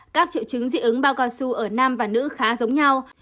các triệu chứng dị ứng bao cao su ở nam và nữ khá giống nhau